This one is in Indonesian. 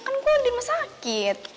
kan kalian di rumah sakit